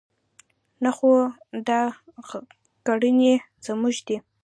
نه خو دا کړنې زموږ دي.